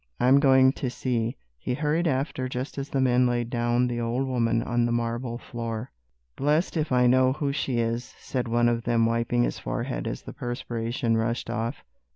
"I'm going in to see." He hurried after just as the men laid down the old woman on the marble floor. "Blest if I know who she is!" said one of them, wiping his forehead as the perspiration rushed off.